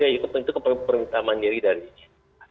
itu keperluan perintah mandiri dari saya